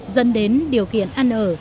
dân đến điều kiện ăn ở